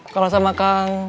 kalau sama kang